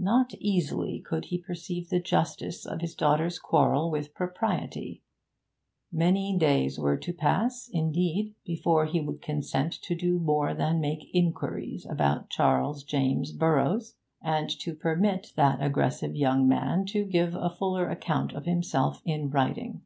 Not easily could he perceive the justice of his daughter's quarrel with propriety; many days were to pass, indeed, before he would consent to do more than make inquiries about Charles James Burroughs, and to permit that aggressive young man to give a fuller account of himself in writing.